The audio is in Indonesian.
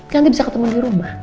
nanti bisa ketemu di rumah